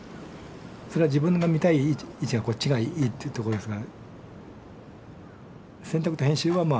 それは自分が見たい位置がこっちがいいっていうところですが。